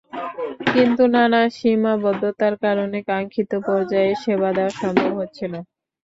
কিন্তু নানা সীমাবদ্ধতার কারণে কাঙ্ক্ষিত পর্যায়ে সেবা দেওয়া সম্ভব হচ্ছে না।